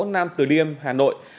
nam từ liêm hà nội